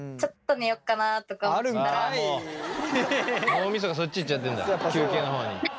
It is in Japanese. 脳みそがそっち行っちゃってんだ休憩の方に。